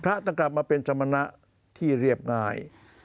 จะกลับมาเป็นสมณะที่เรียบง่าย